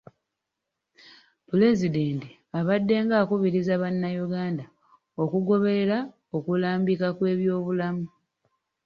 Pulezidenti abaddenga akubiriza bannayuganda okugoberera okulambikibwa kw'ebyobulamu.